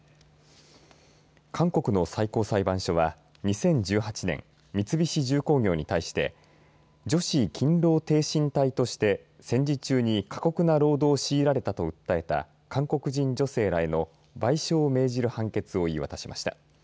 韓国の最高裁判所は２０１８年、三菱重工業に対して女子勤労てい身隊として戦時中に過酷な労働をしいられたと訴えた韓国人女性らへの賠償を命じる判決を言い渡しました。